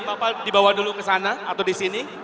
bapak dibawa dulu kesana atau disini